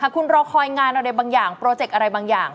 คุณรอคอยงานอะไรบางอย่างโปรเจกต์อะไรบางอย่าง